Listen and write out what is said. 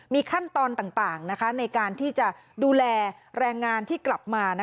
มีขั้นตอนต่างในการที่จะดูแลแรงงานที่กลับมา